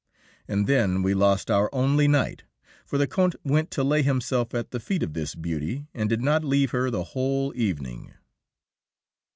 And then we lost our only knight, for the Count went to lay himself at the feet of this beauty, and did not leave her the whole evening.